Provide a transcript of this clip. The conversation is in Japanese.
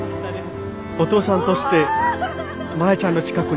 お父さんとしてマヤちゃんの近くにいたい。